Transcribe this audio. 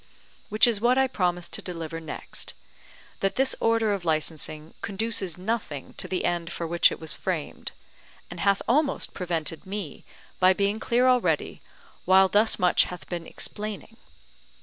Which is what I promised to deliver next: that this order of licensing conduces nothing to the end for which it was framed; and hath almost prevented me by being clear already while thus much hath been explaining.